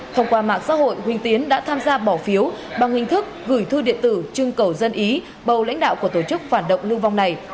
thông qua mạng xã hội huỳnh tiến đã tham gia bỏ phiếu bằng hình thức gửi thư điện tử trưng cầu dân ý bầu lãnh đạo của tổ chức phản động lưu vong này